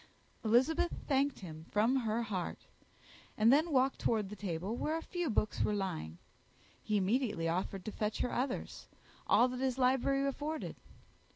Elizabeth thanked him from her heart, and then walked towards a table where a few books were lying. He immediately offered to fetch her others; all that his library afforded.